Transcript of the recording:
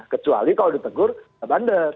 kecuali kalau ditegur ya bandel